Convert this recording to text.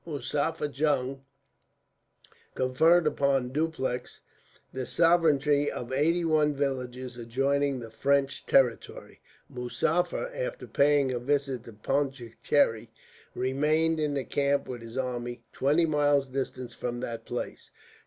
Muzaffar Jung conferred upon Dupleix the sovereignty of eighty one villages adjoining the French territory. Muzaffar, after paying a visit to Pondicherry, remained in the camp with his army, twenty miles distant from that place.